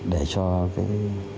để cho cái